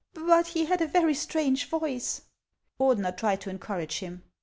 But he had a very strange voice." Ordener tried to encourage him.